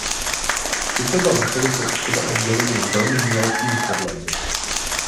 Tyto dva vrcholy jsou od sebe odděleny jen velmi mělkým sedlem.